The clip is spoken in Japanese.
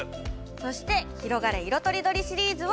そして「ひろがれ！いろとりどり」シリーズを。